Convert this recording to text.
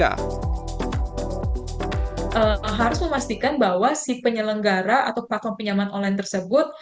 harus memastikan bahwa si penyelenggara atau platform pinjaman online tersebut